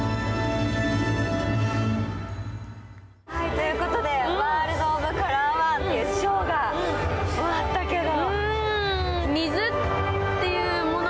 ということで「ワールド・オブ・カラー：ワン」というショーが終わったけど。